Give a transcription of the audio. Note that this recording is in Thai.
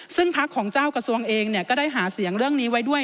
ซึ่งพักของเจ้ากระทรวงเองก็ได้หาเสียงเรื่องนี้ไว้ด้วย